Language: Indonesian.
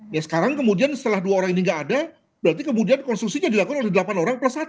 ya sekarang kemudian setelah dua orang ini nggak ada berarti kemudian konstruksinya dilakukan oleh delapan orang plus satu